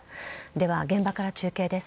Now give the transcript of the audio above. では、現場から中継です。